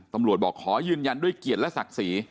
บอกขอยืนยันด้วยเกียรติและศักดิ์ศรี